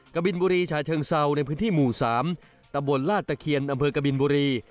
กบินบุรีฉาเชิงเซาในพื้นที่หมู่๓ตะบนลาดตะเคียนอำเภอกบินบุรี